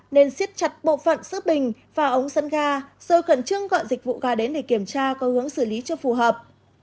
nên xiết chặt bộ phận xứ bình và ống sân ga rồi cẩn trương gọi dịch vụ ga đến để kiểm tra có hướng xử lý cho phù hợp